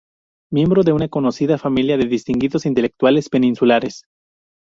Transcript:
Miembro de una conocida familia de distinguidos intelectuales peninsulares.